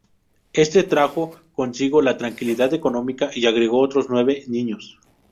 Este trajo consigo la tranquilidad económica y agregó otros nueve niños.